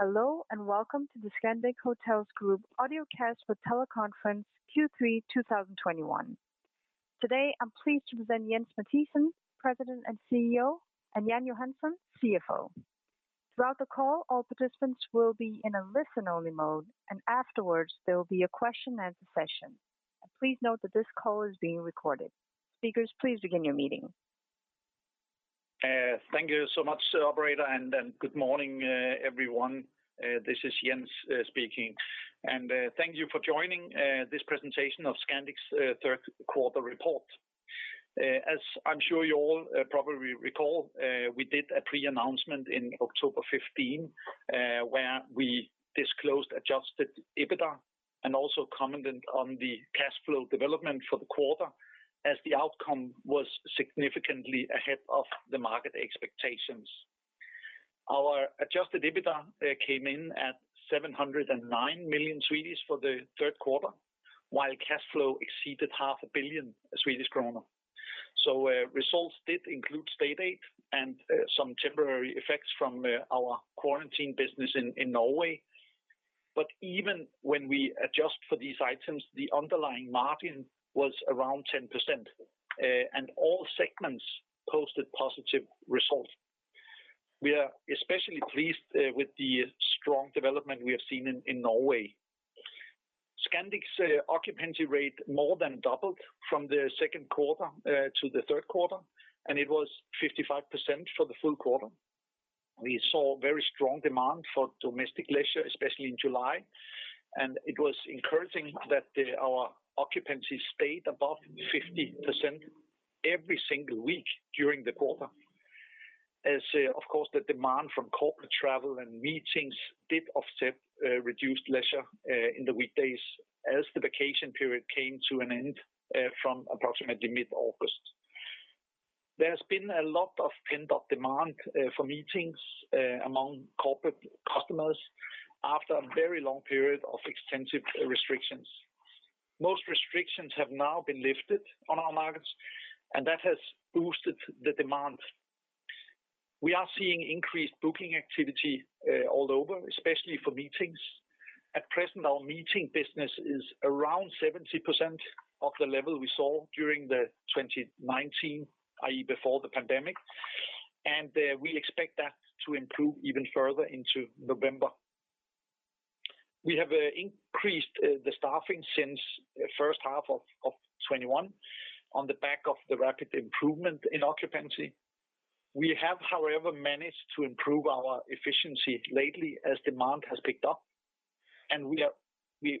Hello, and welcome to the Scandic Hotels Group audiocast for teleconference Q3 2021. Today, I'm pleased to present Jens Mathiesen, President and CEO, and Jan Johansson, CFO. Throughout the call, all participants will be in a listen-only mode, and afterwards, there will be a question-and-answer session. Please note that this call is being recorded. Speakers, please begin your meeting. Thank you so much, operator, and good morning, everyone. This is Jens speaking. Thank you for joining this presentation of Scandic's third quarter report. As I'm sure you all probably recall, we did a pre-announcement in October 15, where we disclosed Adjusted EBITDA and also commented on the cash flow development for the quarter as the outcome was significantly ahead of the market expectations. Our Adjusted EBITDA came in at 709 million for the third quarter, while cash flow exceeded 500 million Swedish kronor. Results did include state aid and some temporary effects from our quarantine business in Norway. Even when we adjust for these items, the underlying margin was around 10%, and all segments posted positive results. We are especially pleased with the strong development we have seen in Norway. Scandic's occupancy rate more than doubled from the second quarter to the third quarter, and it was 55% for the full quarter. We saw very strong demand for domestic leisure, especially in July, and it was encouraging that our occupancy stayed above 50% every single week during the quarter. Of course, the demand from corporate travel and meetings did offset reduced leisure in the weekdays as the vacation period came to an end from approximately mid-August. There has been a lot of pent-up demand for meetings among corporate customers after a very long period of extensive restrictions. Most restrictions have now been lifted on our markets, and that has boosted the demand. We are seeing increased booking activity all over, especially for meetings. At present, our meeting business is around 70% of the level we saw during 2019, i.e., before the pandemic. We expect that to improve even further into November. We have increased the staffing since the first half of 2021 on the back of the rapid improvement in occupancy. We have, however, managed to improve our efficiency lately as demand has picked up, and we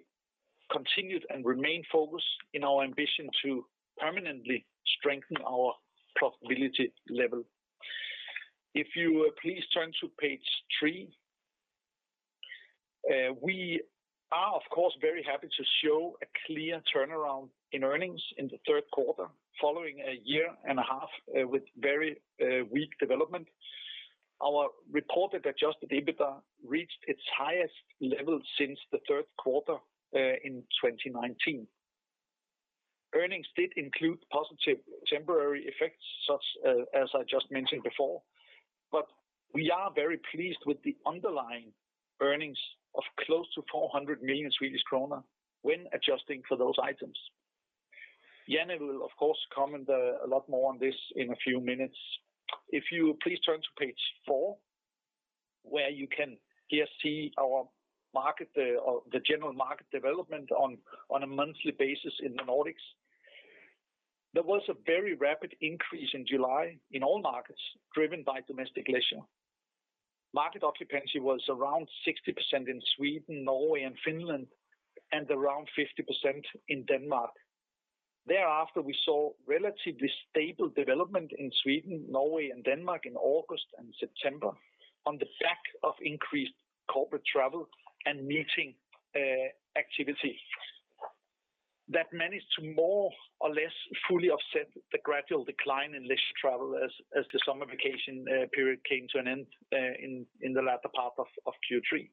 continued and remain focused in our ambition to permanently strengthen our profitability level. If you please turn to page three. We are, of course, very happy to show a clear turnaround in earnings in the third quarter, following a year and a half with very weak development. Our reported Adjusted EBITDA reached its highest level since the third quarter in 2019. Earnings did include positive temporary effects, such as I just mentioned before, but we are very pleased with the underlying earnings of close to 400 million Swedish kronor when adjusting for those items. Jan will, of course, comment a lot more on this in a few minutes. If you please turn to page four, where you can here see our market, the general market development on a monthly basis in the Nordics. There was a very rapid increase in July in all markets, driven by domestic leisure. Market occupancy was around 60% in Sweden, Norway, and Finland, and around 50% in Denmark. Thereafter, we saw relatively stable development in Sweden, Norway, and Denmark in August and September on the back of increased corporate travel and meeting activity. That managed to more or less fully offset the gradual decline in leisure travel as the summer vacation period came to an end in the latter part of Q3.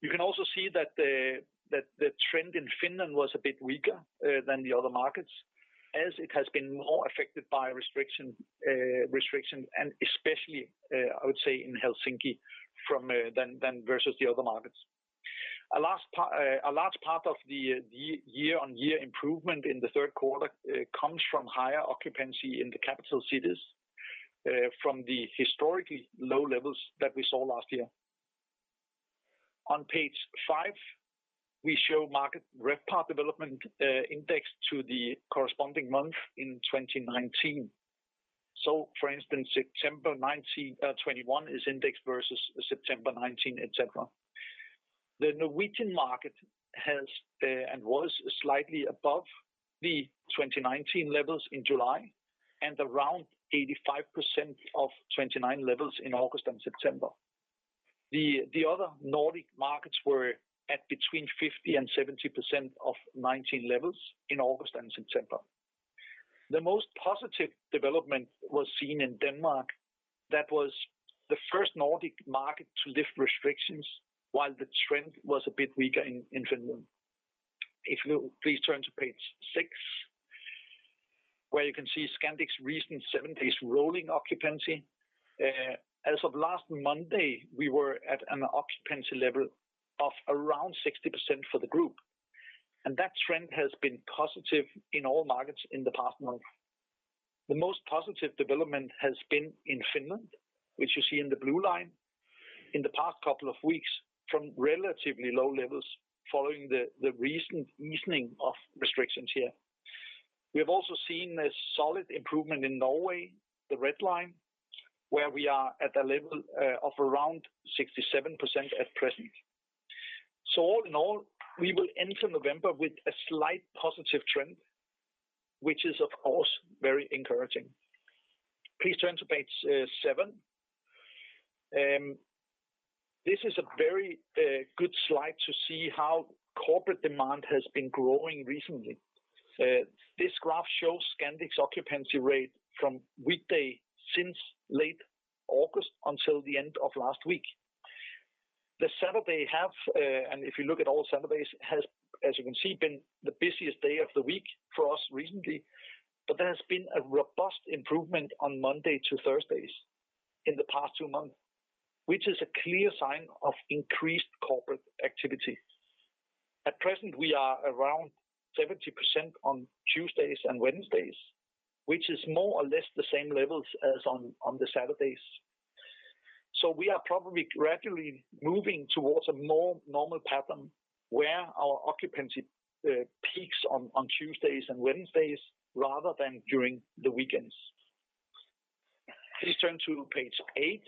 You can also see that the trend in Finland was a bit weaker than the other markets as it has been more affected by restriction and especially I would say in Helsinki than versus the other markets. A large part of the year-on-year improvement in the third quarter comes from higher occupancy in the capital cities from the historically low levels that we saw last year. On page five, we show market RevPAR development, index to the corresponding month in 2019. So for instance, September 2019, 2021 is indexed versus September 2019, etc. The Norwegian market has and was slightly above the 2019 levels in July and around 85% of 2019 levels in August and September. The other Nordic markets were at between 50%-70% of 2019 levels in August and September. The most positive development was seen in Denmark. That was the first Nordic market to lift restrictions while the trend was a bit weaker in Finland. If you please turn to page six. Where you can see Scandic's recent seven days rolling occupancy. As of last Monday, we were at an occupancy level of around 60% for the group, and that trend has been positive in all markets in the past month. The most positive development has been in Finland, which you see in the blue line in the past couple of weeks from relatively low levels following the recent loosening of restrictions here. We have also seen a solid improvement in Norway, the red line, where we are at a level of around 67% at present. All in all, we will enter November with a slight positive trend, which is of course very encouraging. Please turn to page seven. This is a very good slide to see how corporate demand has been growing recently. This graph shows Scandic's occupancy rate for weekdays since late August until the end of last week, and if you look at all Saturdays, as you can see, have been the busiest day of the week for us recently. There has been a robust improvement on Monday to Thursdays in the past two months, which is a clear sign of increased corporate activity. At present, we are around 70% on Tuesdays and Wednesdays, which is more or less the same levels as on the Saturdays. We are probably gradually moving towards a more normal pattern where our occupancy peaks on Tuesdays and Wednesdays rather than during the weekends. Please turn to page eight.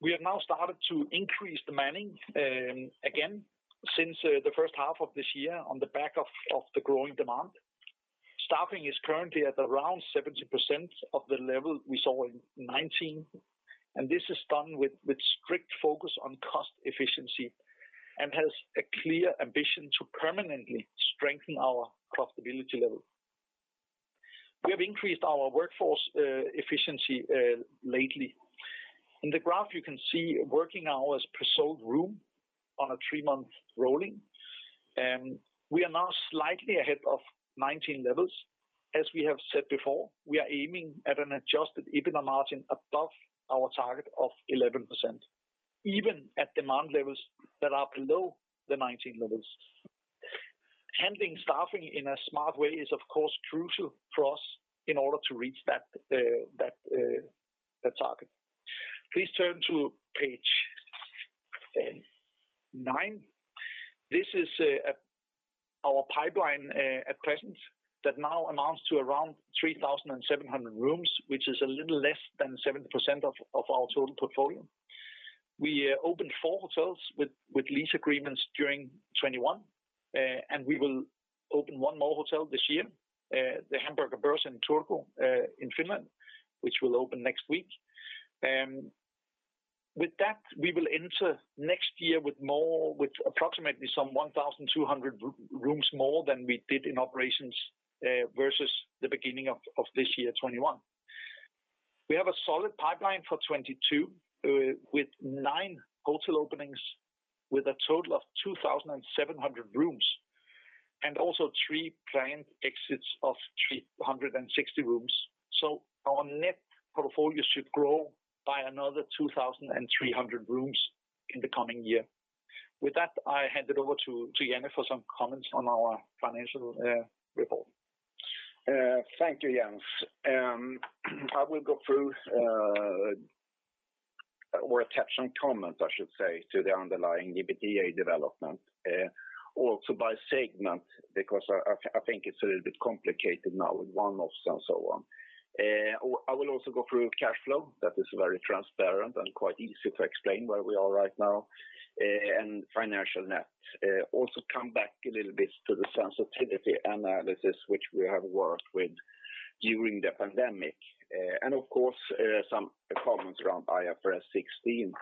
We have now started to increase the manning again since the first half of this year on the back of the growing demand. Staffing is currently at around 70% of the level we saw in 2019, and this is done with strict focus on cost efficiency and has a clear ambition to permanently strengthen our profitability level. We have increased our workforce efficiency lately. In the graph, you can see working hours per sold room on a three-month rolling, we are now slightly ahead of 2019 levels. As we have said before, we are aiming at an Adjusted EBITDA margin above our target of 11%, even at demand levels that are below the 2019 levels. Handling staffing in a smart way is of course crucial for us in order to reach that target. Please turn to page nine. This is our pipeline at present that now amounts to around 3,700 rooms, which is a little less than 7% of our total portfolio. We opened four hotels with lease agreements during 2021, and we will open one more hotel this year, the Hamburger Börs in Turku, in Finland, which will open next week. With that, we will enter next year with more, with approximately some 1,200 rooms more than we did in operations versus the beginning of this year, 2021. We have a solid pipeline for 2022 with nine hotel openings with a total of 2,700 rooms, and also three planned exits of 360 rooms. Our net portfolio should grow by another 2,300 rooms in the coming year. With that, I hand it over to Jan for some comments on our financial report. Thank you, Jens. I will go through, or attach some comments I should say, to the underlying EBITDA development, also by segment, because I think it's a little bit complicated now with one-offs and so on. I will also go through cash flow that is very transparent and quite easy to explain where we are right now, and financial net. Also come back a little bit to the sensitivity analysis which we have worked with during the pandemic. And of course, some comments around IFRS 16.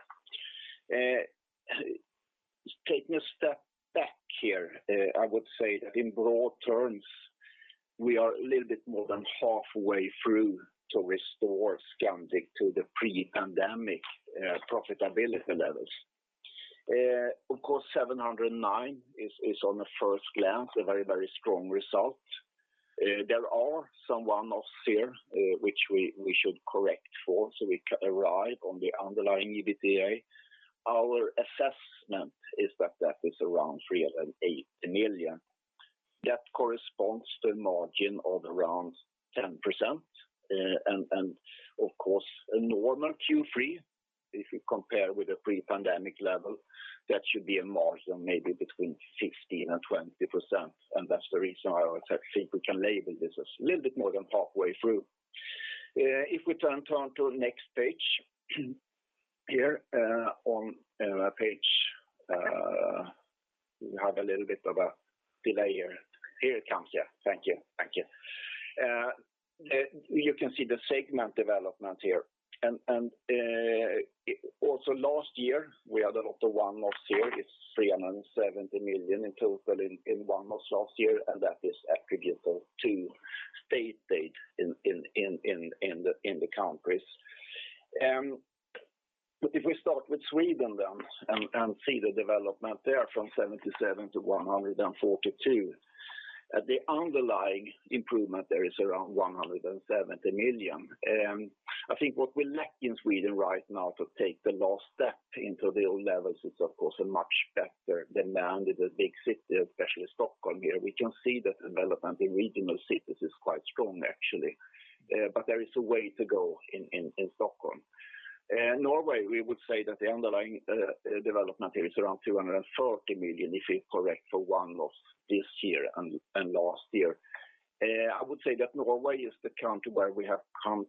Taking a step back here, I would say that in broad terms, we are a little bit more than halfway through to restore Scandic to the pre-pandemic profitability levels. Of course, 709 is on the first glance a very, very strong result. There are some one-offs here, which we should correct for so we can arrive on the underlying EBITDA. Our assessment is that that is around 380 million. That corresponds to a margin of around 10%. Of course a normal Q3, if you compare with the pre-pandemic level, that should be a margin maybe between 15%-20%, and that's the reason I think we can label this as a little bit more than halfway through. If we turn to the next page here, on page... We have a little bit of a delay here. Here it comes. Yeah. Thank you. Thank you. You can see the segment development here. Also last year, we had a lot of one-offs here. It's 370 million in total in one-offs last year, and that is attributable to state aid in the countries. If we start with Sweden then and see the development there from 77 million to 142 million. The underlying improvement there is around 170 million. I think what we lack in Sweden right now to take the last step into the old levels is, of course, a much better demand in the big city, especially Stockholm here. We can see that development in regional cities is quite strong actually. There is a way to go in Stockholm. In Norway, we would say that the underlying development here is around 240 million, if we correct for one loss this year and last year. I would say that Norway is the country where we have come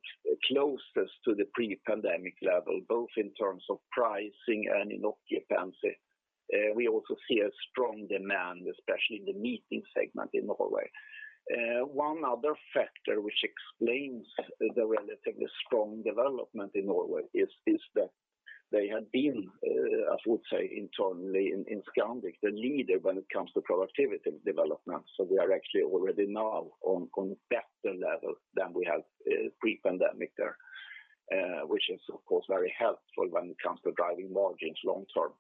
closest to the pre-pandemic level, both in terms of pricing and in occupancy. We also see a strong demand, especially in the meeting segment in Norway. One other factor which explains the relatively strong development in Norway is that they had been, I would say internally in Scandic, the leader when it comes to productivity development. We are actually already now on better level than we had pre-pandemic there, which is of course very helpful when it comes to driving margins long term.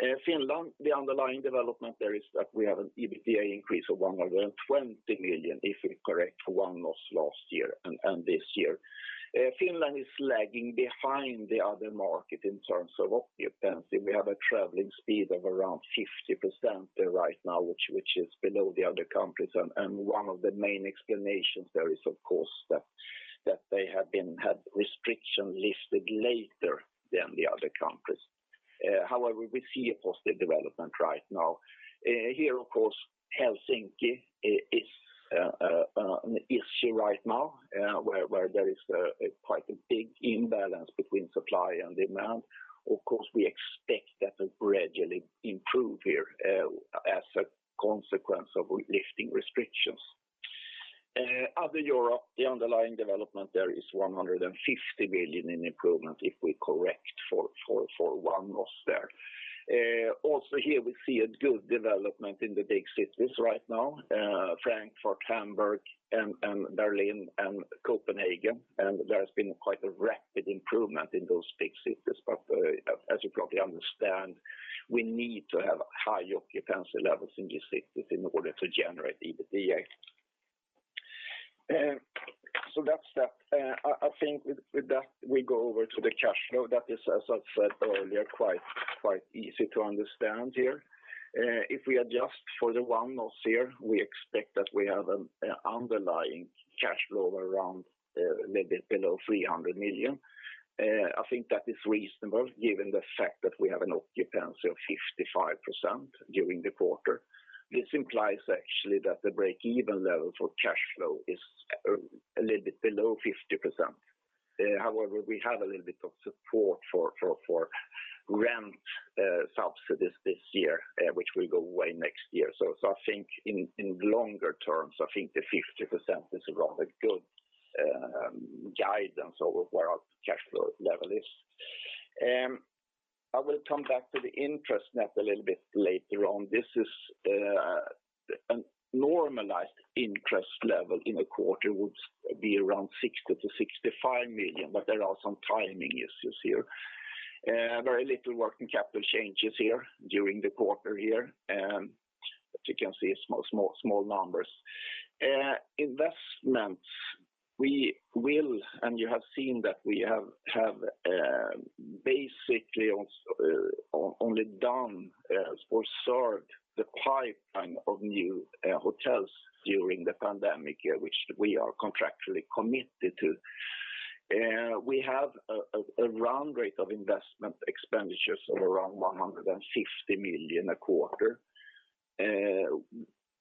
In Finland, the underlying development there is that we have an EBITDA increase of 120 million, if we correct for one loss last year and this year. Finland is lagging behind the other market in terms of occupancy. We have a traveling speed of around 50% there right now, which is below the other countries. One of the main explanations there is of course that they had restrictions lifted later than the other countries. However, we see a positive development right now. Here of course, Helsinki is an issue right now, where there is quite a big imbalance between supply and demand. Of course, we expect that to gradually improve here as a consequence of lifting restrictions. Other Europe, the underlying development there is 150 million in improvement if we correct for one loss there. Also here we see a good development in the big cities right now, Frankfurt, Hamburg and Berlin and Copenhagen, and there has been quite a rapid improvement in those big cities. As you probably understand, we need to have high occupancy levels in these cities in order to generate EBITDA. That's that. I think with that, we go over to the cash flow. That is, as I said earlier, quite easy to understand here. If we adjust for the one loss here, we expect that we have an underlying cash flow around a little bit below 300 million. I think that is reasonable given the fact that we have an occupancy of 55% during the quarter. This implies actually that the break-even level for cash flow is a little bit below 50%. However, we have a little bit of support for rent subsidies this year, which will go away next year. I think in longer terms, I think the 50% is a rather good guidance over where our cash flow level is. I will come back to the interest net a little bit later on. This is a normalized interest level in a quarter would be around 60 million-65 million, but there are some timing issues here. Very little working capital changes here during the quarter. As you can see, small numbers. Investments, you have seen that we have basically only done or served the pipeline of new hotels during the pandemic here, which we are contractually committed to. We have a run rate of investment expenditures of around 150 million a quarter.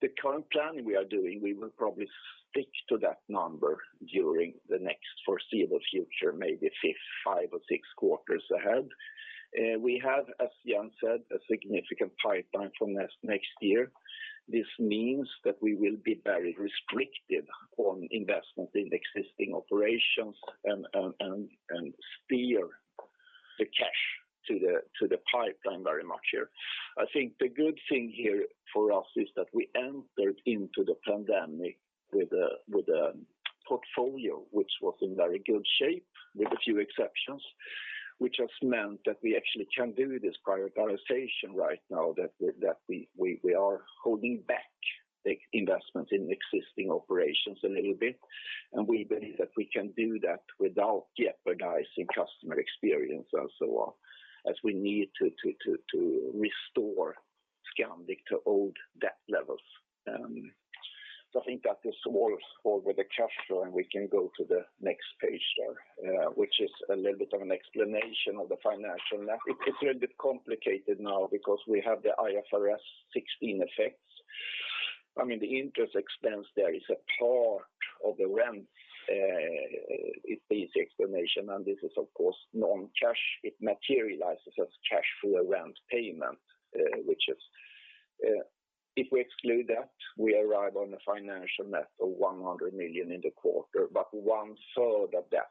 The current planning we are doing, we will probably stick to that number during the next foreseeable future, maybe five or six quarters ahead. We have, as Jan said, a significant pipeline from next year. This means that we will be very restricted on investment in existing operations and steer the cash to the pipeline very much here. I think the good thing here for us is that we entered into the pandemic with a portfolio which was in very good shape, with a few exceptions, which has meant that we actually can do this prioritization right now, that we are holding back the investments in existing operations a little bit. We believe that we can do that without jeopardizing customer experience and so on, as we need to restore Scandic to old debt levels. I think that is all for the cash flow, and we can go to the next page there, which is a little bit of an explanation of the financial net. It's a little bit complicated now because we have the IFRS 16 effects. I mean, the interest expense there is a part of the rent, is the explanation, and this is of course non-cash. It materializes as cash for a rent payment, which is, if we exclude that, we arrive on a financial net of 100 million in the quarter. One third of that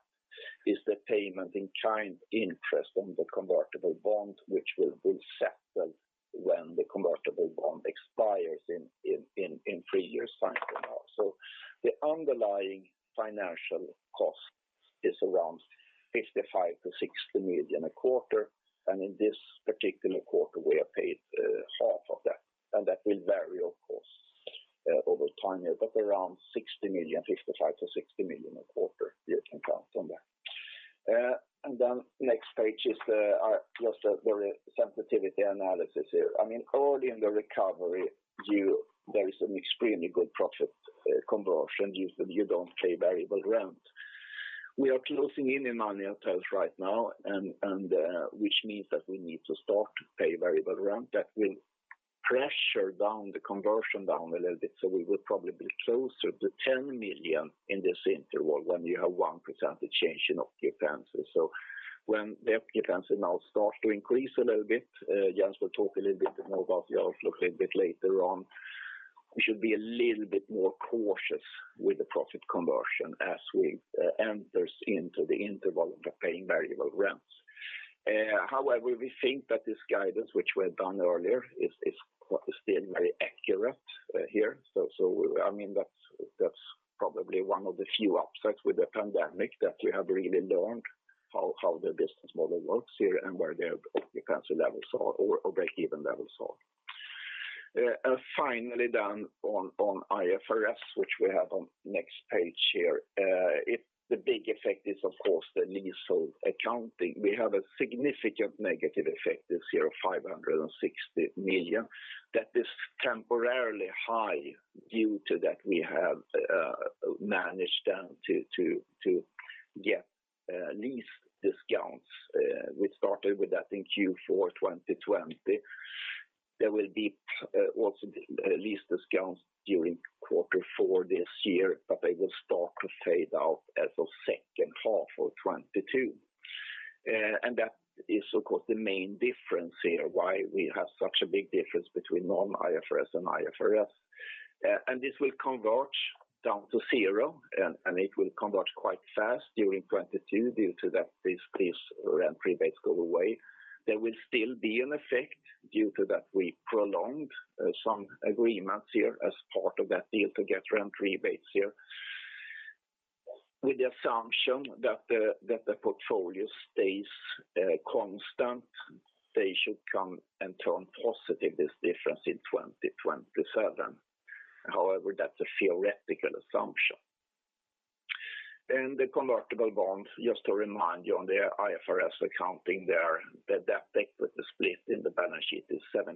is the payment in kind interest on the convertible bond which will settle. The convertible bond expires in three years time from now. The underlying financial cost is around 55 million-60 million a quarter, and in this particular quarter we have paid half of that, and that will vary of course over time here, but around 60 million, 55 million-60 million a quarter you can count on that. Then next page is just a very sensitivity analysis here. I mean, already in the recovery there is an extremely good profit conversion use that you don't pay variable rent. We are closing in on hotels right now and which means that we need to start to pay variable rent that will pressure down the conversion a little bit. We will probably be closer to 10 million in this interval when you have 1% change in occupancy. When the occupancy now starts to increase a little bit, Jens will talk a little bit more about the outlook a bit later on. We should be a little bit more cautious with the profit conversion as we enters into the interval of paying variable rents. However, we think that this guidance which we have done earlier is still very accurate here. I mean, that's probably one of the few upsides with the pandemic that we have really learned how the business model works here and where the occupancy levels are or break-even levels are. Finally done on IFRS, which we have on next page here. The big effect is of course the leasehold accounting. We have a significant negative effect this year of 560 million that is temporarily high due to that we have managed them to get lease discounts. We started with I think Q4 2020. There will be also lease discounts during quarter four this year, but they will start to fade out as of second half of 2022. That is of course the main difference here, why we have such a big difference between non-IFRS and IFRS. This will converge down to zero and it will converge quite fast during 2022 due to that this rent rebates go away. There will still be an effect due to that we prolonged some agreements here as part of that deal to get rent rebates here. With the assumption that the portfolio stays constant, they should come and turn positive this difference in 2027. However, that's a theoretical assumption. Then the convertible bonds, just to remind you on the IFRS accounting there, that equity split in the balance sheet is 78%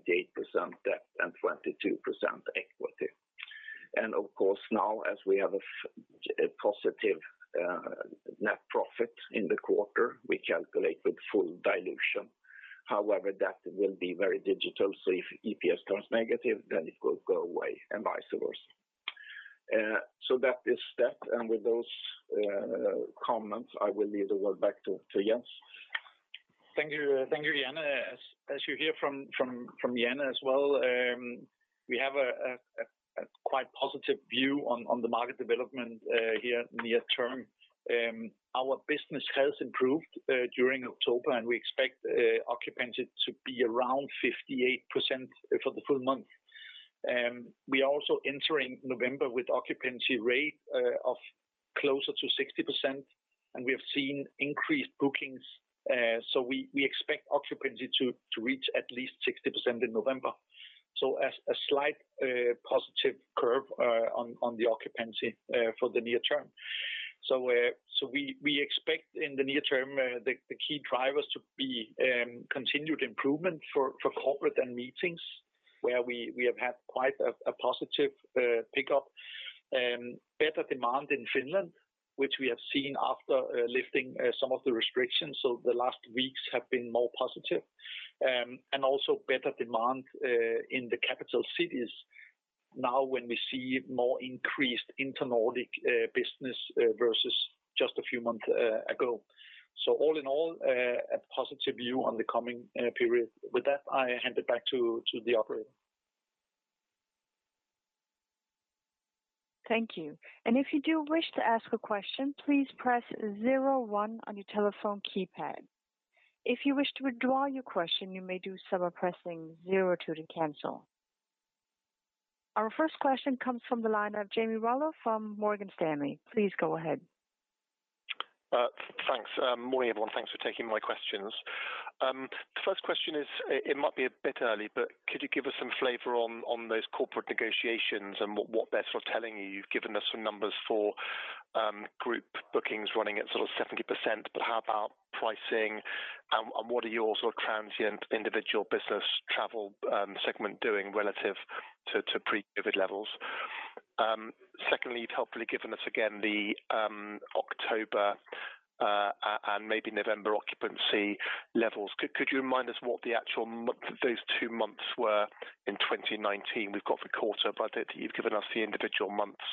debt and 22% equity. Of course now as we have a positive net profit in the quarter, we calculate with full dilution. However, that will be very digital. If EPS turns negative, then it will go away and vice versa. That is that. With those comments, I will hand the word back to Jens. Thank you. Thank you, Jan. As you hear from Jan as well, we have a quite positive view on the market development here near term. Our business has improved during October, and we expect occupancy to be around 58% for the full month. We are also entering November with occupancy rate of closer to 60%, and we have seen increased bookings. We expect occupancy to reach at least 60% in November. As a slight positive curve on the occupancy for the near term. We expect in the near term the key drivers to be continued improvement for corporate and meetings where we have had quite a positive pickup. Better demand in Finland which we have seen after lifting some of the restrictions. The last weeks have been more positive. Better demand in the capital cities now when we see more increased internal Nordic business versus just a few months ago. All in all, a positive view on the coming period. With that, I hand it back to the operator. Our first question comes from the line of Jamie Rollo from Morgan Stanley. Please go ahead. Thanks. Morning, everyone. Thanks for taking my questions. The first question is, it might be a bit early, but could you give us some flavor on those corporate negotiations and what they're sort of telling you? You've given us some numbers for group bookings running at sort of 70%, but how about pricing and what are your sort of transient individual business travel segment doing relative to pre-COVID levels? Secondly, you've helpfully given us again the October and maybe November occupancy levels. Could you remind us what those two months were in 2019? We've got the quarter, but I don't think you've given us the individual months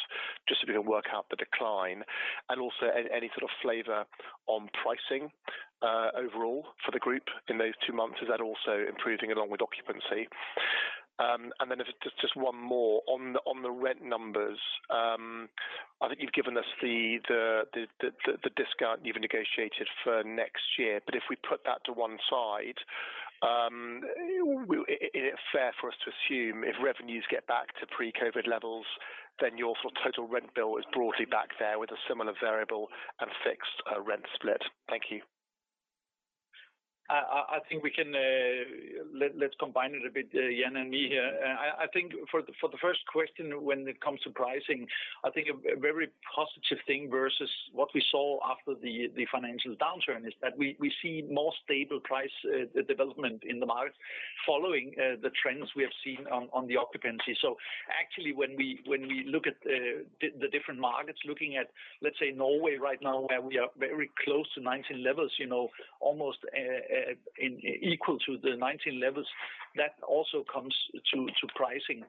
just so we can work out the decline. Also any sort of flavor on pricing overall for the group in those two months. Is that also improving along with occupancy? If it's just one more on the rent numbers. I think you've given us the discount you've negotiated for next year. If we put that to one side, is it fair for us to assume if revenues get back to pre-COVID levels, then your total rent bill is broadly back there with a similar variable and fixed rent split? Thank you. Let's combine it a bit, Jan and me here. I think for the first question when it comes to pricing, I think a very positive thing versus what we saw after the financial downturn is that we see more stable price development in the market following the trends we have seen on the occupancy. Actually, when we look at the different markets, looking at, let's say, Norway right now, where we are very close to 2019 levels, you know, almost equal to the 2019 levels, that also comes to pricing.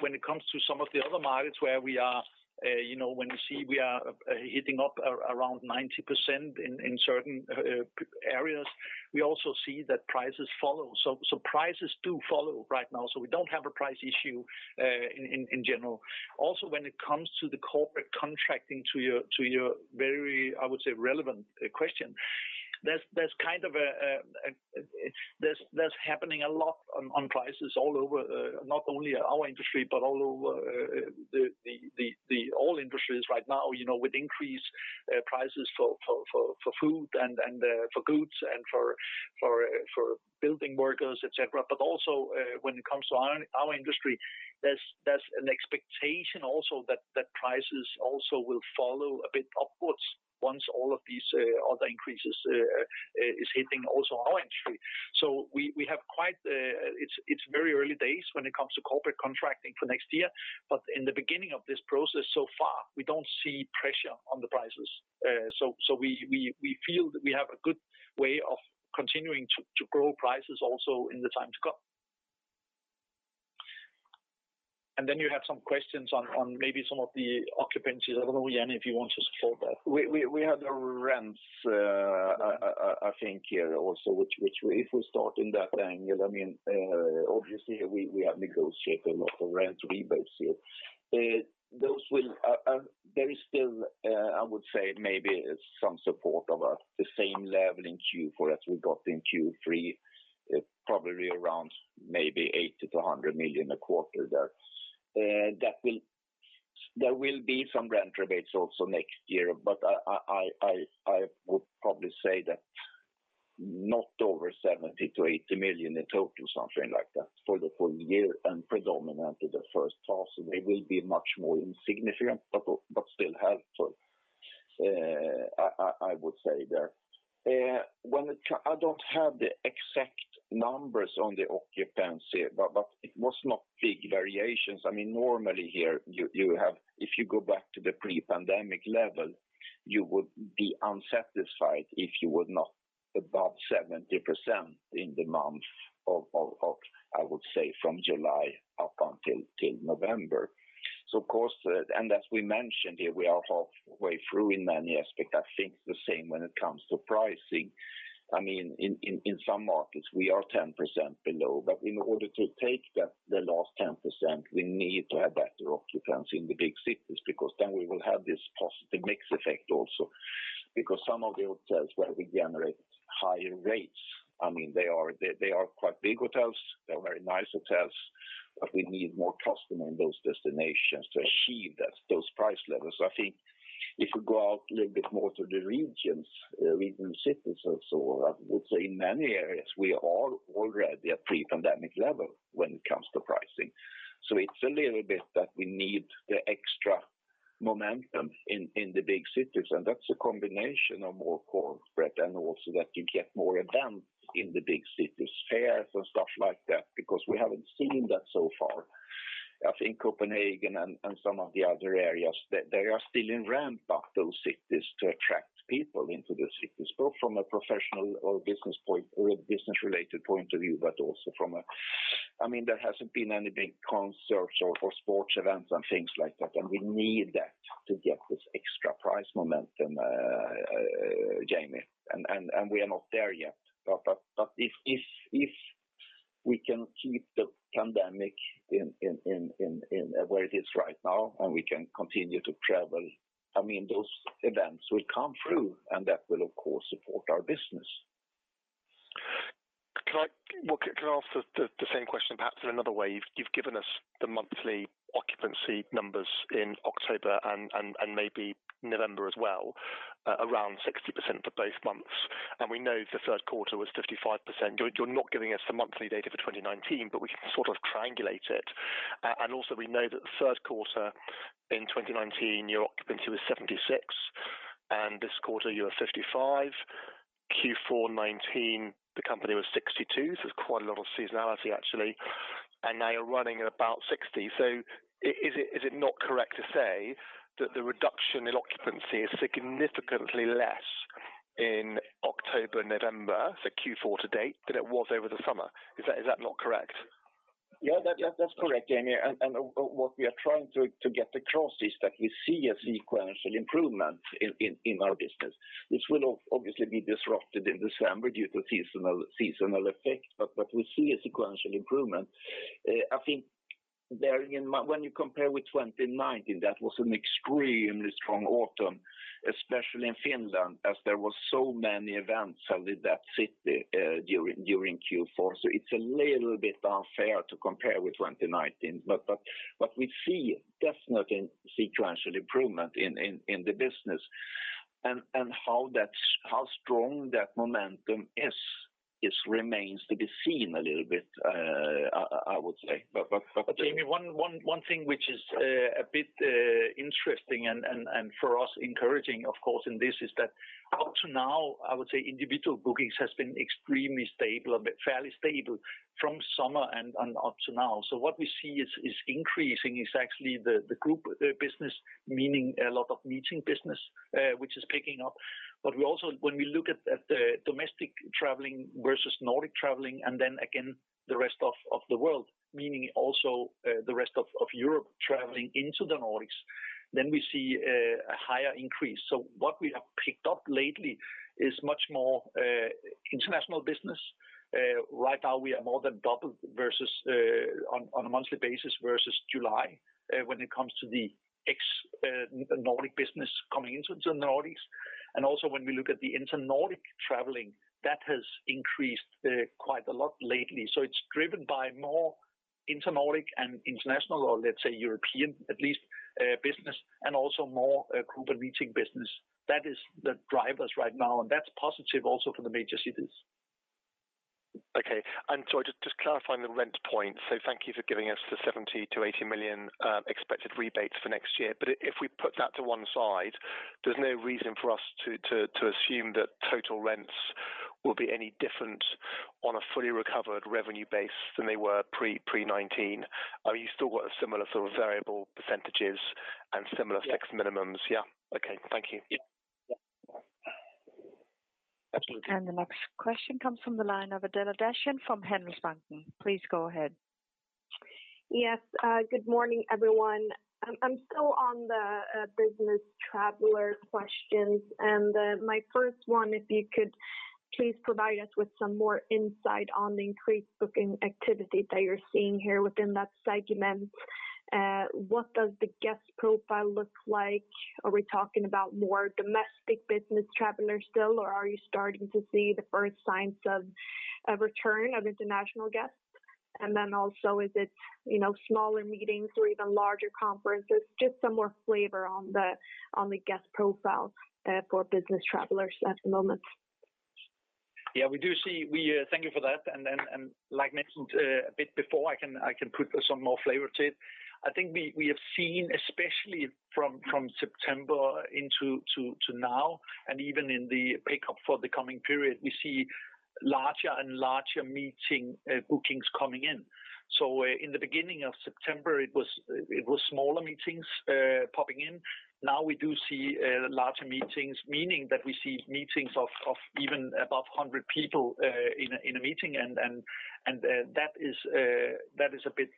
When it comes to some of the other markets where we are, you know, when you see we are hitting around 90% in certain areas, we also see that prices follow. Prices do follow right now, so we don't have a price issue in general. Also, when it comes to the corporate contracting to your very relevant question, there's kind of a lot that's happening a lot on prices all over, not only our industry, but all over all industries right now, you know, with increased prices for food and for goods and for building workers, et cetera. Also, when it comes to our industry, there's an expectation also that prices also will follow a bit upwards once all of these other increases is hitting also our industry. It's very early days when it comes to corporate contracting for next year. In the beginning of this process so far, we don't see pressure on the prices. We feel that we have a good way of continuing to grow prices also in the time to come. Then you have some questions on maybe some of the occupancies. I don't know, Jan, if you want to support that. We had the rents, I think here also, which if we start in that angle, I mean, obviously, we have negotiated a lot of rent rebates here. There is still, I would say maybe some support of the same level in Q4 as we got in Q3, probably around maybe 80 million-100 million a quarter there. There will be some rent rebates also next year, but I would probably say that not over 70 million-80 million in total, something like that, for the full year and predominantly the first half. They will be much more insignificant but still helpful, I would say there. I don't have the exact numbers on the occupancy, but it was not big variations. I mean, normally here you have, if you go back to the pre-pandemic level, you would be unsatisfied if you were not above 70% in the month of, I would say, from July up until November. Of course, as we mentioned here, we are halfway through in many aspects. I think the same when it comes to pricing. I mean, in some markets we are 10% below. But in order to take that, the last 10%, we need to have better occupancy in the big cities because then we will have this positive mix effect also. Because some of the hotels where we generate higher rates, I mean, they are quite big hotels. They are very nice hotels, but we need more customers in those destinations to achieve that, those price levels. I think if you go out a little bit more to the regions, region cities also, I would say in many areas we are already at pre-pandemic level when it comes to pricing. It's a little bit that we need the extra momentum in the big cities, and that's a combination of more corporate and also that you get more events in the big cities, fairs and stuff like that, because we haven't seen that so far. I think Copenhagen and some of the other areas, they are still in ramp up those cities to attract people into the cities, both from a professional or business-related point of view, but also from a... I mean, there hasn't been any big concerts or sports events and things like that, and we need that to get this extra price momentum, Jamie. We are not there yet. If we can keep the pandemic in where it is right now and we can continue to travel, I mean, those events will come through, and that will of course support our business. Well, can I ask the same question perhaps in another way? You've given us the monthly occupancy numbers in October and maybe November as well, around 60% for both months. We know the third quarter was 55%. You're not giving us the monthly data for 2019, but we can sort of triangulate it. Also we know that the third quarter in 2019, your occupancy was 76%, and this quarter you are 55%. Q4 2019, the company was 62%, so there's quite a lot of seasonality actually. Now you're running at about 60. Is it not correct to say that the reduction in occupancy is significantly less in October, November, the Q4 to date, than it was over the summer? Is that not correct? Yeah, that's correct, Jamie. What we are trying to get across is that we see a sequential improvement in our business. This will obviously be disrupted in December due to seasonal effect. We see a sequential improvement. I think When you compare with 2019, that was an extremely strong autumn, especially in Finland, as there were so many events held in that city during Q4. It's a little bit unfair to compare with 2019. We see definitely sequential improvement in the business. How strong that momentum is remains to be seen a little bit, I would say. Jamie, one thing which is a bit interesting and for us encouraging, of course, in this is that up to now, I would say individual bookings has been extremely stable, a bit fairly stable from summer and up to now. What we see is increasing is actually the group business, meaning a lot of meeting business, which is picking up. We also, when we look at the domestic traveling versus Nordic traveling, and then again the rest of the world, meaning also the rest of Europe traveling into the Nordics, then we see a higher increase. What we have picked up lately is much more international business. Right now we are more than double versus on a monthly basis versus July when it comes to the ex-Nordic business coming into the Nordics. Also when we look at the inter-Nordic traveling, that has increased quite a lot lately. It's driven by more inter-Nordic and international, or let's say European, at least, business, and also more group and meeting business. That is the drivers right now, and that's positive also for the major cities. Okay. Sorry, just clarifying the rent point. Thank you for giving us the 70 million-80 million expected rebates for next year. If we put that to one side, there's no reason for us to assume that total rents will be any different on a fully recovered revenue base than they were pre-2019. I mean, you've still got a similar sort of variable percentages and similar fixed minimums. Yeah. Okay. Thank you. Yeah. Absolutely. The next question comes from the line of Adela Dashian from Handelsbanken. Please go ahead. Yes. Good morning, everyone. I'm still on the business traveler questions. My first one, if you could please provide us with some more insight on the increased booking activity that you're seeing here within that segment. What does the guest profile look like? Are we talking about more domestic business travelers still, or are you starting to see the first signs of a return of international guests? Also, is it, you know, smaller meetings or even larger conferences? Just some more flavor on the guest profile for business travelers at the moment. Thank you for that. Like mentioned a bit before, I can put some more flavor to it. I think we have seen, especially from September into now, and even in the pickup for the coming period, we see larger and larger meeting bookings coming in. In the beginning of September, it was smaller meetings popping in. Now we do see larger meetings, meaning that we see meetings of even above 100 people in a meeting. That is a bit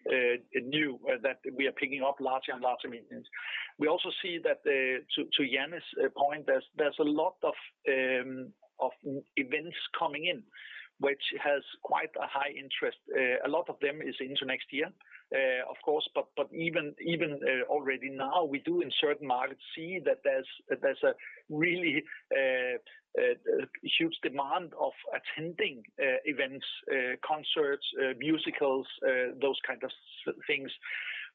new that we are picking up larger and larger meetings. We also see that to Jan's point, there's a lot of events coming in, which has quite a high interest. A lot of them is into next year of course, but even already now, we do in certain markets see that there's a really huge demand of attending events, concerts, musicals, those kind of things.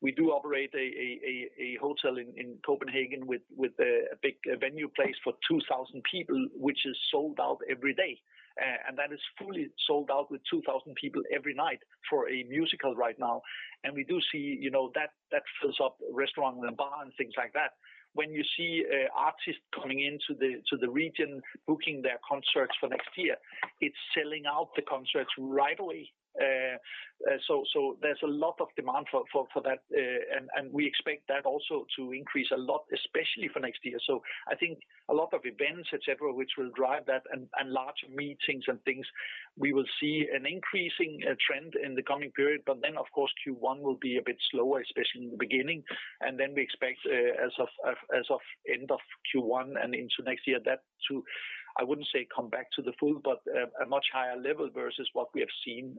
We do operate a hotel in Copenhagen with a big venue place for 2,000 people, which is sold out every day. And that is fully sold out with 2,000 people every night for a musical right now. We do see you know that that fills up restaurant and bar and things like that. When you see artists coming into the region, booking their concerts for next year, it's selling out the concerts right away. So there's a lot of demand for that. And we expect that also to increase a lot, especially for next year. I think a lot of events, et cetera, which will drive that and larger meetings and things, we will see an increasing trend in the coming period. Of course Q1 will be a bit slower, especially in the beginning. We expect, as of end of Q1 and into next year that to, I wouldn't say come back to the full, but a much higher level versus what we have seen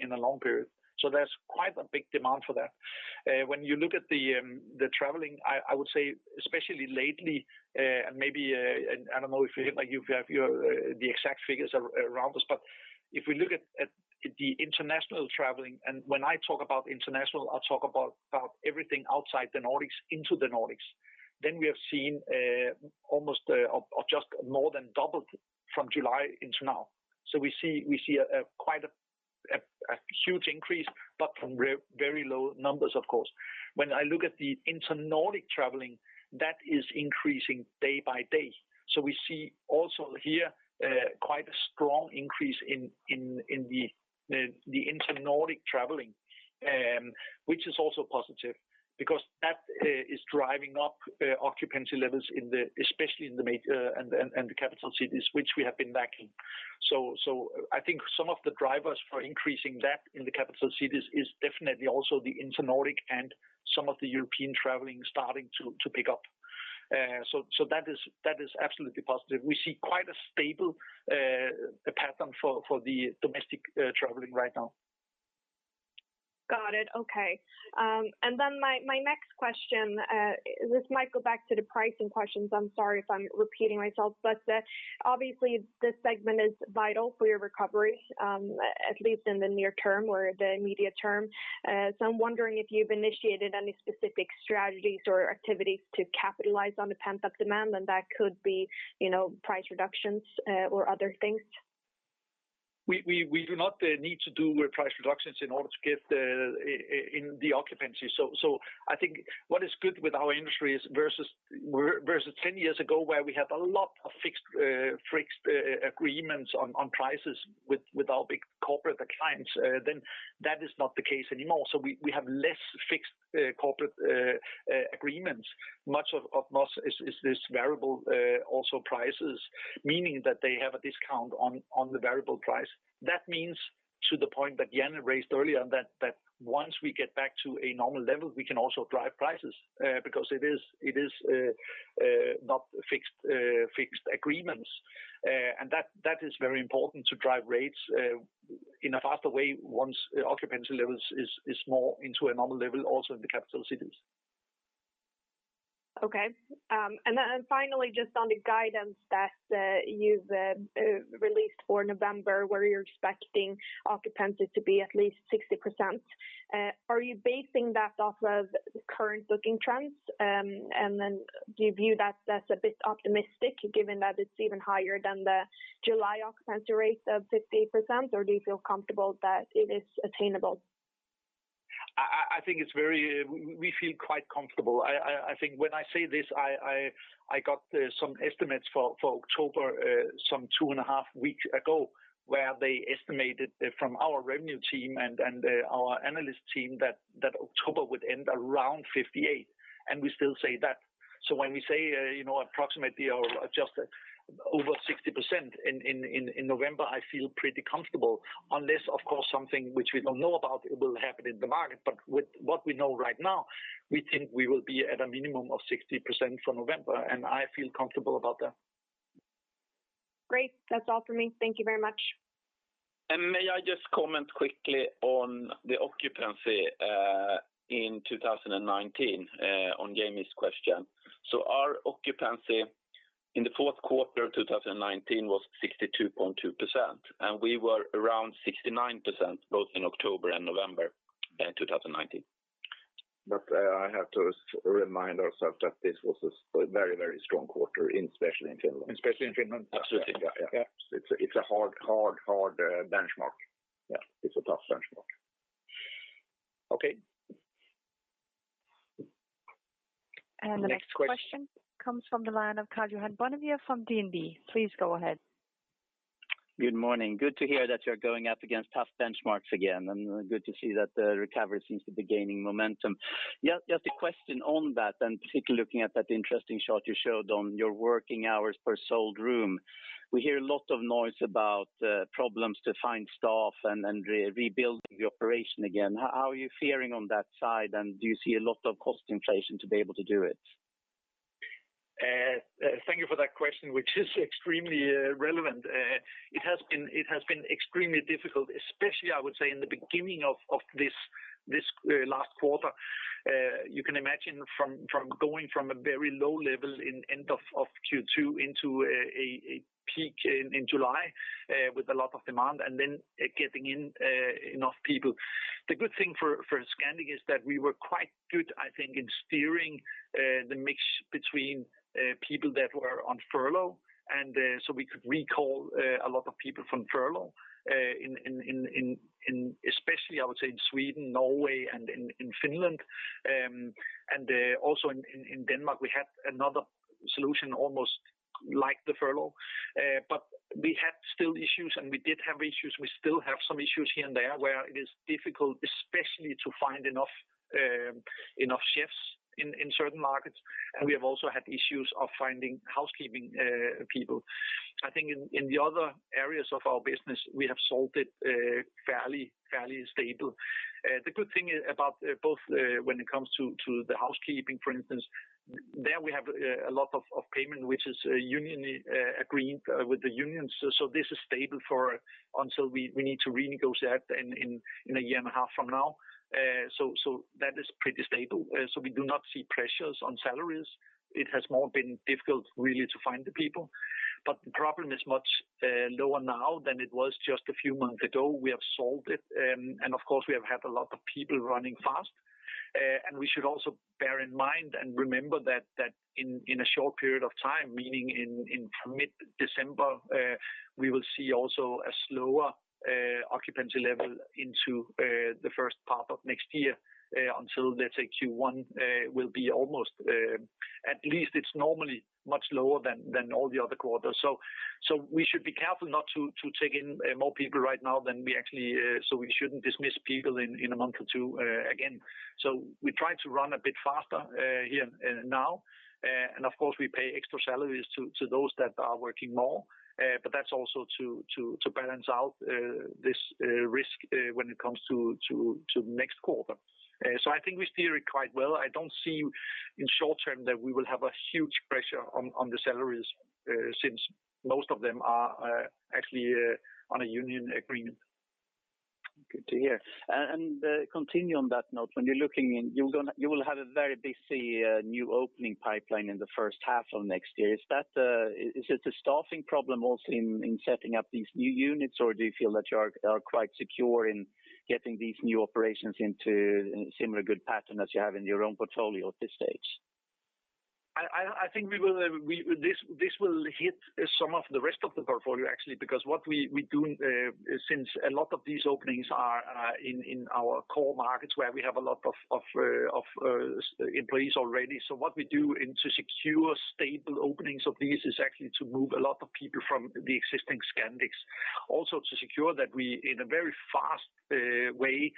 in a long period. There's quite a big demand for that. When you look at the traveling, I would say especially lately, and maybe I don't know if you have the exact figures around this. If we look at the international traveling, and when I talk about international, I'll talk about everything outside the Nordics into the Nordics, then we have seen almost or just more than doubled from July into now. We see quite a huge increase, but from very low numbers of course. When I look at the intra-Nordic traveling, that is increasing day by day. We see also here quite a strong increase in the inter-Nordic traveling, which is also positive because that is driving up occupancy levels, especially in the capital cities, which we have been lacking. I think some of the drivers for increasing that in the capital cities is definitely also the inter-Nordic and some of the European traveling starting to pick up. That is absolutely positive. We see quite a stable pattern for the domestic traveling right now. Got it. Okay. My next question, this might go back to the pricing questions. I'm sorry if I'm repeating myself. Obviously this segment is vital for your recovery, at least in the near term or the immediate term. I'm wondering if you've initiated any specific strategies or activities to capitalize on the pent-up demand, and that could be, you know, price reductions, or other things. We do not need to do price reductions in order to get in the occupancy. I think what is good with our industry is versus 10 years ago, where we had a lot of fixed agreements on prices with our big corporate clients, then that is not the case anymore. We have less fixed corporate agreements. Much of most is this variable also prices, meaning that they have a discount on the variable price. That means to the point that Jan raised earlier, that once we get back to a normal level, we can also drive prices, because it is not fixed agreements. That is very important to drive rates in a faster way once occupancy levels is more into a normal level also in the capital cities. Okay. Then finally, just on the guidance that you've released for November, where you're expecting occupancy to be at least 60%, are you basing that off of current booking trends? Then do you view that that's a bit optimistic given that it's even higher than the July occupancy rate of 58%? Or do you feel comfortable that it is attainable? We feel quite comfortable. I think when I say this, I got some estimates for October 2.5 weeks ago, where they estimated from our revenue team and our analyst team that October would end around 58%, and we still say that. When we say you know, approximately or just over 60% in November, I feel pretty comfortable. Unless, of course, something which we don't know about will happen in the market. With what we know right now, we think we will be at a minimum of 60% for November, and I feel comfortable about that. Great. That's all for me. Thank you very much. May I just comment quickly on the occupancy in 2019 on Jamie's question. Our occupancy in the fourth quarter of 2019 was 62.2%, and we were around 69% both in October and November in 2019. I have to remind ourselves that this was a very, very strong quarter, especially in Finland. Especially in Finland. Absolutely. Yeah. It's a hard benchmark. Yeah. It's a tough benchmark. Okay. The next question comes from the line of Karl-Johan Bonnevier from DNB. Please go ahead. Good morning. Good to hear that you're going up against tough benchmarks again, and good to see that the recovery seems to be gaining momentum. Yeah. Just a question on that, and particularly looking at that interesting chart you showed on your working hours per sold room. We hear a lot of noise about problems to find staff and rebuilding the operation again. How are you faring on that side, and do you see a lot of cost inflation to be able to do it? Thank you for that question, which is extremely relevant. It has been extremely difficult, especially, I would say, in the beginning of this last quarter. You can imagine from going from a very low level at the end of Q2 into a peak in July with a lot of demand and then getting in enough people. The good thing for Scandic is that we were quite good, I think, in steering the mix between people that were on furlough, and so we could recall a lot of people from furlough, in especially, I would say, in Sweden, Norway and in Finland. Also in Denmark, we had another solution almost like the furlough. We had still issues, and we did have issues. We still have some issues here and there where it is difficult especially to find enough chefs in certain markets. We have also had issues of finding housekeeping people. I think in the other areas of our business, we have solved it fairly stable. The good thing about both when it comes to the housekeeping, for instance, there we have a lot of payment, which is union agreed with the union. This is stable for until we need to renegotiate in a year and a half from now. That is pretty stable. We do not see pressures on salaries. It has more been difficult really to find the people. The problem is much lower now than it was just a few months ago. We have solved it. Of course, we have had a lot of people running fast. We should also bear in mind and remember that in a short period of time, meaning in mid-December, we will see also a slower occupancy level into the first part of next year until let's say Q1 will be almost at least it's normally much lower than all the other quarters. We should be careful not to take in more people right now than we actually so we shouldn't dismiss people in a month or two again. We try to run a bit faster here now. Of course, we pay extra salaries to those that are working more. That's also to balance out this risk when it comes to next quarter. I think we steer it quite well. I don't see in short term that we will have a huge pressure on the salaries, since most of them are actually on a union agreement. Good to hear. Continue on that note. When you're looking in, you will have a very busy new opening pipeline in the first half of next year. Is that a staffing problem also in setting up these new units? Or do you feel that you are quite secure in getting these new operations into similar good pattern as you have in your own portfolio at this stage? I think this will hit some of the rest of the portfolio actually because what we do, since a lot of these openings are in our core markets where we have a lot of employees already. What we do to secure stable openings of these is actually to move a lot of people from the existing Scandics. Also to secure that we in a very fast way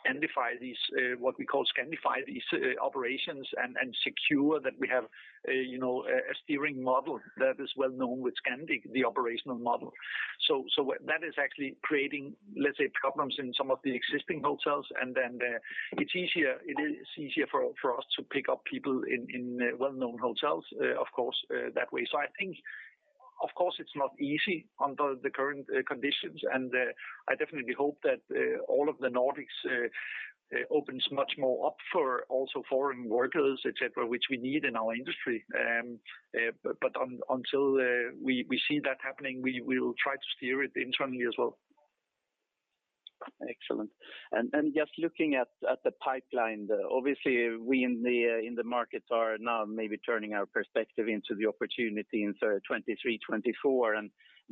Scandify these, what we call Scandify these operations and secure that we have you know a steering model that is well-known with Scandic, the operational model. That is actually creating, let's say, problems in some of the existing hotels, and then it's easier. It is easier for us to pick up people in well-known hotels, of course, that way. I think of course it's not easy under the current conditions, and I definitely hope that all of the Nordics opens much more up for also foreign workers, et cetera, which we need in our industry. Until we see that happening, we will try to steer it internally as well. Excellent. Just looking at the pipeline, obviously we in the markets are now maybe turning our perspective into the opportunity in sort of 2023, 2024.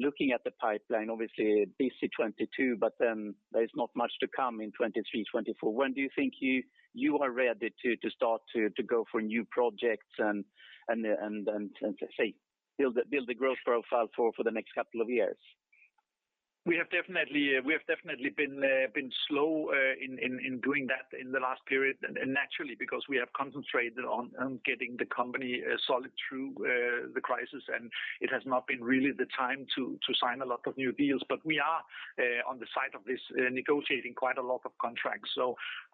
Looking at the pipeline, obviously busy 2022, but then there's not much to come in 2023, 2024. When do you think you are ready to start to go for new projects and say build the growth profile for the next couple of years? We have definitely been slow in doing that in the last period. Naturally because we have concentrated on getting the company solid through the crisis, and it has not been really the time to sign a lot of new deals. We are on the side of this negotiating quite a lot of contracts.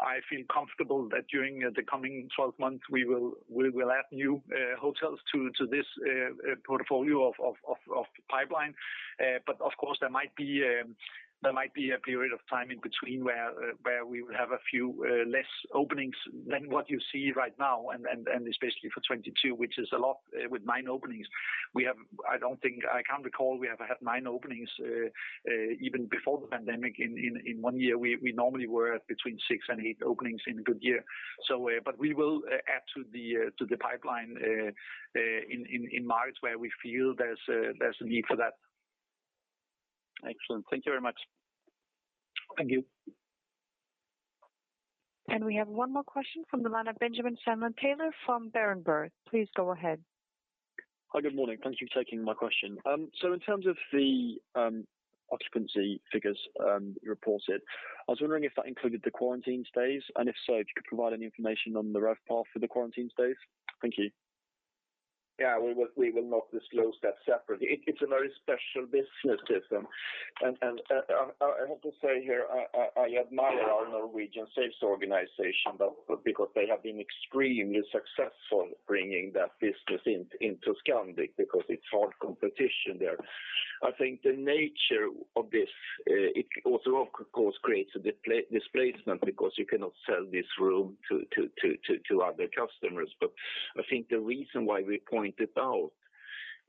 I feel comfortable that during the coming 12 months, we will add new hotels to this portfolio of pipeline. Of course there might be a period of time in between where we will have a few less openings than what you see right now and especially for 2022, which is a lot with nine openings. We have I can't recall we have had nine openings even before the pandemic in one year. We normally were between six and eight openings in a good year. We will add to the pipeline in markets where we feel there's a need for that. Excellent. Thank you very much. Thank you. We have one more question from the line of Benjamin Sandland-Taylor from Berenberg. Please go ahead. Hi, good morning. Thank you for taking my question. In terms of the occupancy figures reported, I was wondering if that included the quarantine stays, and if so, if you could provide any information on the RevPAR for the quarantine stays. Thank you. Yeah. We will not disclose that separately. It's a very special business system. I admire our Norwegian sales organization though, because they have been extremely successful bringing that business into Scandic because it's hard competition there. I think the nature of this also of course creates a displacement because you cannot sell this room to other customers. I think the reason why we point it out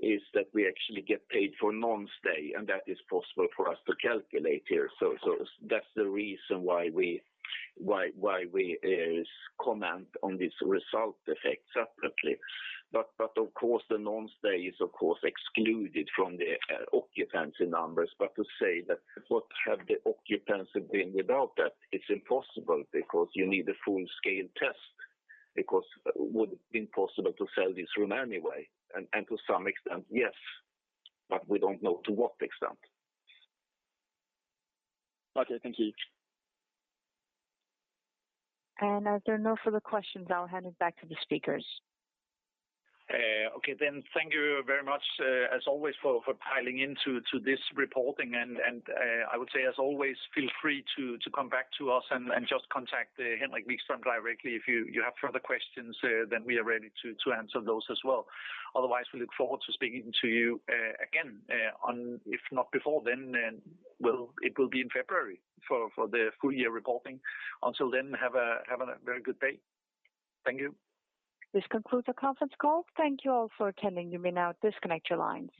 is that we actually get paid for non-stay, and that is possible for us to calculate here. That's the reason why we comment on this result effect separately. Of course the non-stay is excluded from the occupancy numbers. To say that what had the occupancy been without that, it's impossible because you need a full-scale test. Because would it been possible to sell this room anyway? To some extent, yes, but we don't know to what extent. Okay, thank you. As there are no further questions, I'll hand it back to the speakers. Okay. Thank you very much, as always for dialing in to this reporting. I would say as always, feel free to come back to us and just contact Henrik Vikström directly if you have further questions, then we are ready to answer those as well. Otherwise, we look forward to speaking to you again, on... if not before then it will be in February for the full year reporting. Until then, have a very good day. Thank you. This concludes our conference call. Thank you all for attending. You may now disconnect your lines.